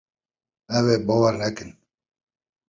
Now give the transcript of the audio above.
Ew ê bawer nekin.